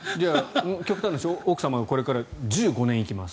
極端な話奥様がこれから１５年生きます。